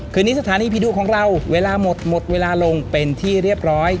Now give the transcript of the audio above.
คืนนี้สถานีผีดุของเราเวลาหมดหมดเวลาลงเป็นที่เรียบร้อย